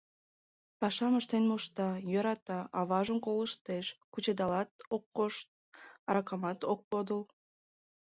— Пашам ыштен мошта, йӧрата, аважым колыштеш, кучедалат ок кошт, аракамат ок подыл...